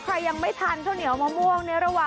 ใครยังไม่ทานข้าวเหนียวมะม่วงในระหว่าง